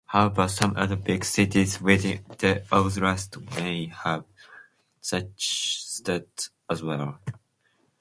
However, some other big cities within the oblast may have such status as well.